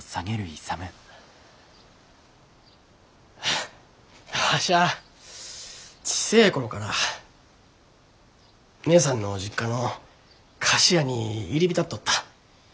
ハッわしゃあ小せえ頃から義姉さんの実家の菓子屋に入り浸っとった。